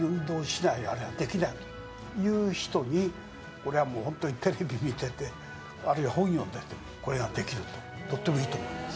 これはもうホントにテレビ見ててあるいは本読んでてこれができるととってもいいと思います